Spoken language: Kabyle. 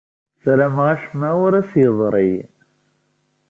Ssarameɣ acemma ur as-yeḍri.